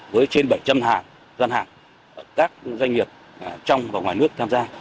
với trên bảy trăm linh doanh hàng các doanh nghiệp trong và ngoài nước tham gia